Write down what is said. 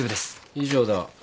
以上だ。